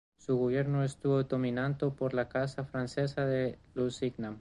Su gobierno estuvo dominado por la Casa francesa de Lusignan.